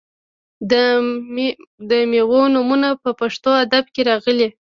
د میوو نومونه په پښتو ادب کې راغلي.